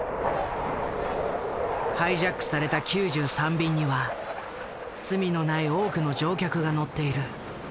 ハイジャックされた９３便には罪のない多くの乗客が乗っている。